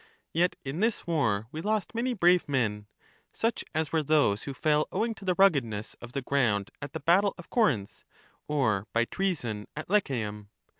Yet in this war we lost many brave men, such as were those who fell owing to the ruggedness of the ground at the battle of Corinth, or by treason at Lechaeum.